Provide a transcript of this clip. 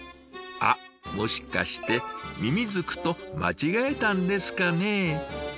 あっもしかしてミミズクと間違えたんですかね？